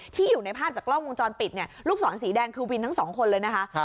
อยู่ในภาพจากกล้องวงจรปิดเนี่ยลูกศรสีแดงคือวินทั้งสองคนเลยนะคะ